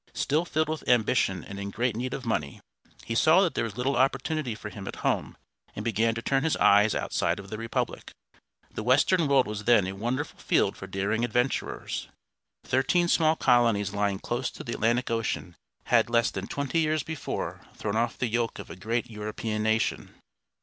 Still filled with ambition and in great need of money, he saw that there was little opportunity for him at home, and began to turn his eyes outside of the Republic. The western world was then a wonderful field for daring adventurers. Thirteen small colonies lying close to the Atlantic Ocean had less than twenty years before thrown off the yoke of a great European nation.